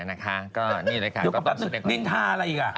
ก็นี่แหละค่ะก็ต้องสุดในความรู้สึกนินทาอะไรอีกอ่ะ